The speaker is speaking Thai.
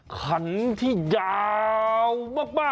ขันที่ยาวมาก